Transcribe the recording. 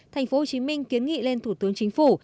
thành phố hồ chí minh kiến nghị lên thủ tướng chính phủ